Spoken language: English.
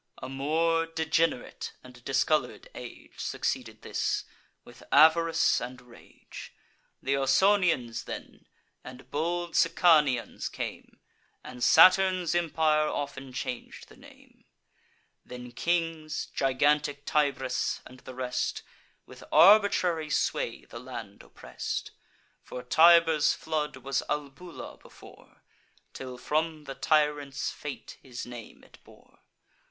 A more degenerate and discolour'd age Succeeded this, with avarice and rage. Th' Ausonians then, and bold Sicanians came; And Saturn's empire often chang'd the name. Then kings, gigantic Tybris, and the rest, With arbitrary sway the land oppress'd: For Tiber's flood was Albula before, Till, from the tyrant's fate, his name it bore.